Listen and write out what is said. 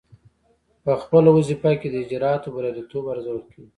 پخپله وظیفه کې د اجرااتو بریالیتوب ارزول کیږي.